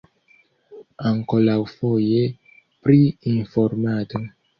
Ankoraŭfoje pri informado.